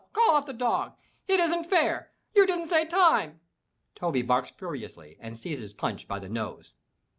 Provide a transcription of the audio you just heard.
Call off the dog! It isn't fair! You didn't say Time!' " Toby barks furiously and seizes Punch by the nose.